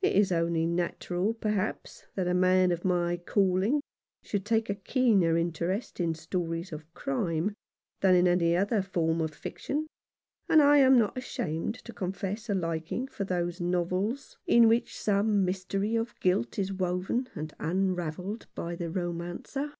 It is only natural, perhaps, that a man of my calling should take a keener interest in stories of crime than in any other form of fiction ; and I am not ashamed to confess a liking for those novels 106 John Faunces Experiences. No. 29. in which some mystery of guilt is woven and un ravelled by the romancer.